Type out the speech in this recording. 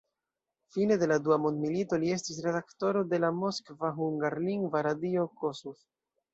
Fine de la dua mondmilito li estis redaktoro de la moskva hungarlingva radio Kossuth.